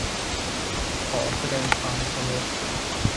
ขอแสดงความเคารพ